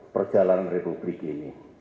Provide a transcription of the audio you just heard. perjalanan republik ini